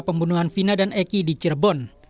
pembunuhan vina dan eki di cirebon